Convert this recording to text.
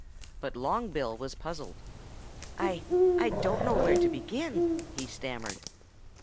But Long Bill was puzzled. "I I don't know where to begin," he stammered.